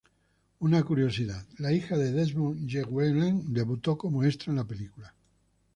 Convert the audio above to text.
Una curiosidad: la hija de Desmond Llewelyn debutó como extra en la película.